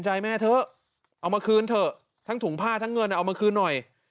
ใจแม่เถอะเอามาคืนเถอะทั้งถุงผ้าทั้งเงินเอามาคืนหน่อย